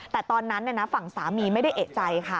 แต่ตอนนั้นฝั่งสามีไม่ได้เอกใจค่ะ